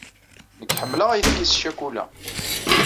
Nekk ḥemmleɣ ayefki s ccukula.